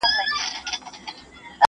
بيزو وان سو په چغارو په نارو سو،